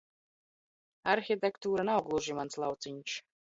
Arhitektūra nav gluži mans lauciņš.